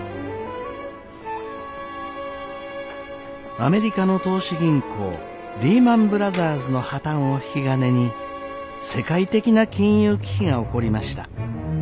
アメリカの投資銀行リーマン・ブラザーズの破綻を引き金に世界的な金融危機が起こりました。